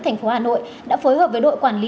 tp hà nội đã phối hợp với đội quản lý